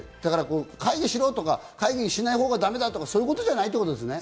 会議しろとか会議しないほうがだめだとかそういうことじゃないんですね。